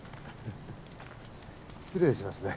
失礼しますね。